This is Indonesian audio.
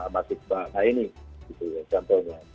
mas iqbal nah ini contohnya